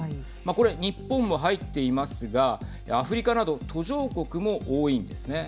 これ日本も入っていますがアフリカなど途上国も多いんですね。